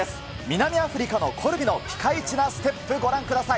南アフリカのコルビのピカイチなステップ、ご覧ください。